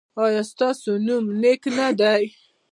ایا ستاسو نوم نیک نه دی؟